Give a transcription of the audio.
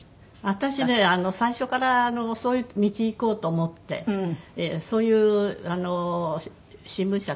私ね最初からそういう道いこうと思ってそういう新聞社とかね